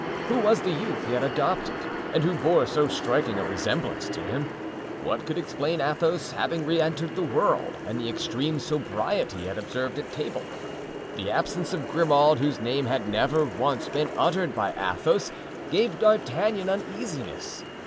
Who was the youth he had adopted and who bore so striking a resemblance to him? What could explain Athos's having re entered the world and the extreme sobriety he had observed at table? The absence of Grimaud, whose name had never once been uttered by Athos, gave D'Artagnan uneasiness.